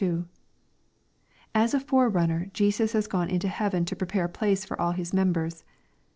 As a Forerunner, Jesus has gone into heaven to pre pare a place for all His members.